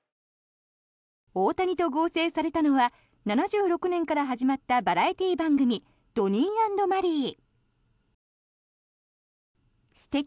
大谷と合成されたのは７６年から始まったバラエティー番組「ドニー・アンド・マリー」。